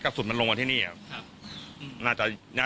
เพราะอะไรเราได้ยินเสียงปืน